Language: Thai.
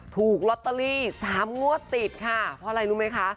ถูกลอตเตอรี่๓งวดติดค่ะเพราะอะไรรู้ไหมคะ